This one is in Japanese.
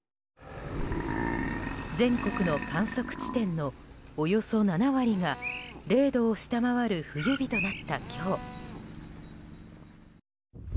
全国の観測地点のおよそ７割が０度を下回る冬日となった今日。